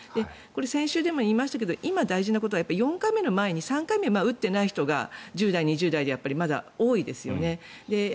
先週でも言いましたが今、大事なことは４回目の前に３回目を打っていない人が１０代、２０代で多いですよね。